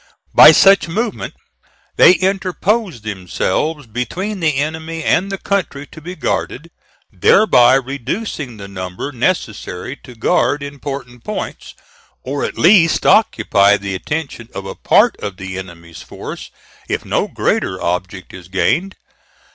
By such movement, they interpose themselves between the enemy and the country to be guarded, thereby reducing the number necessary to guard important points, or at least occupy the attention of a part of the enemy's force, if no greater object is gained.